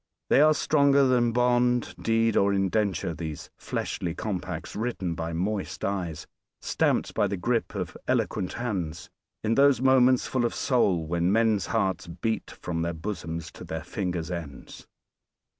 They are stronger than bond, deed or indenture, these fleshly compacts written by moist eyes, stamped by the grip of eloquent hands, in those moments full of soul when men's hearts beat from their bosoms to their fingers' ends.